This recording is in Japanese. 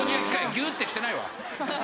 ギューってしてないわ。